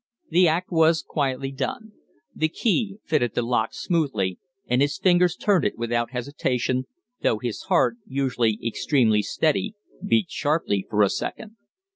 The act was quietly done. The key fitted the lock smoothly and his fingers turned it without hesitation, though his heart, usually extremely steady, beat sharply for a second.